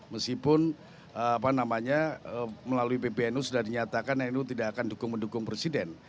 meskipun melalui pbnu sudah dinyatakan nu tidak akan dukung mendukung presiden